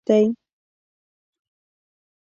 دا مثلث د بشري تمدن د جوړښت بنسټ دی.